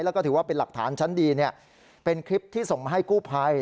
แล้วก็ถือว่าเป็นหลักฐานชั้นดีเป็นคลิปที่ส่งมาให้กู้ภัย